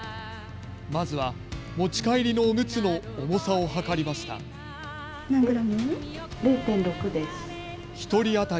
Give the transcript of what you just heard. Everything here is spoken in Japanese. まずは持ち帰りのおむつの重さをはかりました。